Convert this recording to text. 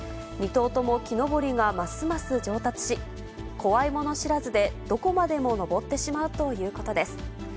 ２頭とも木登りがますます上達し、怖いもの知らずで、どこまでも登ってしまうということです。